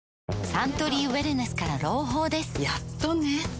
サントリーウエルネスから朗報ですやっとね